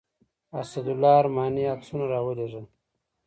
اسدالله ارماني عکسونه راولېږل.